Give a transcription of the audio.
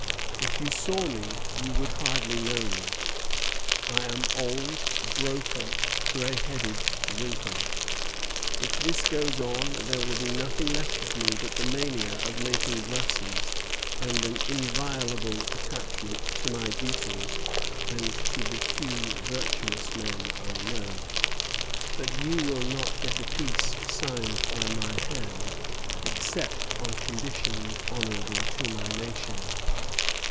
"If you saw me you would hardly know me: I am old, broken, gray headed, wrinkled. If this goes on there will be nothing left of me but the mania of making verses and an inviolable attachment to my duties and to the few virtuous men I know. But you will not get a peace signed by my hand except on conditions honorable to my nation.